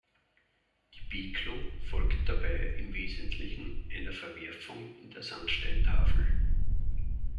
Die Peklo folgt dabei im Wesentlichen einer Verwerfung in der Sandsteintafel.